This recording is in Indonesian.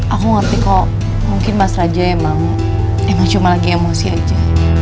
aku ngerti kok mungkin mas raja emang cuma lagi emosi aja